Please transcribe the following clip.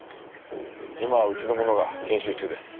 今うちの者が編集中です。